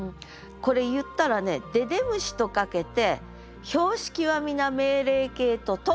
これ言ったらね「でで虫」とかけて「標識はみな命令形」と解く。